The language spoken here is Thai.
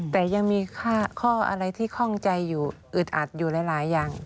แต่ยังมีข้ออะไรที่คล่องใจอยู่อึดอัดอยู่หลายอย่าง